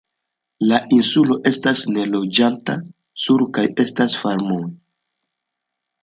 La insulo estas neloĝata, sur kaj estas farmoj.